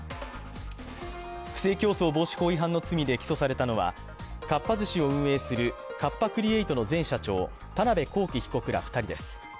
不正競争防止法違反の罪で起訴されたのはかっぱ寿司を運営するカッパ・クリエイトの前社長田辺公己被告ら２人です。